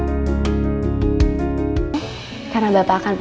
jadi saya harus ubah beberapa sisi aku ke bunga